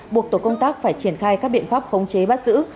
buộc tổ công tác phải triển khai các biện pháp khống chế bắt giữ